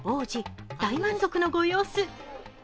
王子、大満足のご様子。